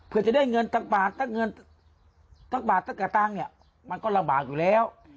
เพื่อจะได้เงินตั้งบาทตั้งเนี้ยมันก็ระบากอยู่แล้ว